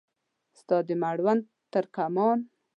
ستا د مړوند ترکمان